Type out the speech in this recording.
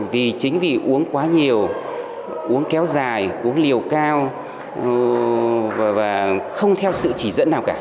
vì chính vì uống quá nhiều uống kéo dài uống liều cao và không theo sự chỉ dẫn nào cả